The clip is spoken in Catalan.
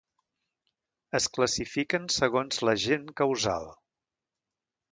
Es classifiquen segons l'agent causal.